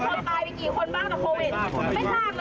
โอ้โหโอ้โหโอ้โหโอ้โห